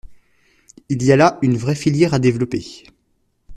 Il y a là une vraie filière à développer.